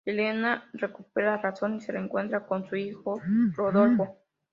Elena recupera la razón y se reencuentra con su hijo Rodolfo.